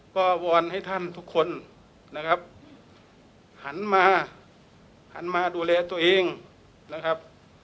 ก็วอนให้ท่านทุกคนนะครับหันมาหันมาดูแลตัวเองนะครับ